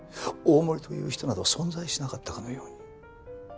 大森という人など存在しなかったかのように。